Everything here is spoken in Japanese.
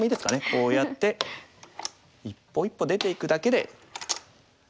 こうやって一歩一歩出ていくだけで。